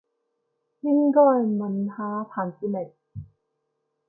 應該問下彭志銘